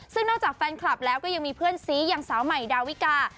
ซึ่งนอกจากแฟนคลับแล้วก็ยังมีเพื่อนซีอย่างสาวใหม่ดาวิกา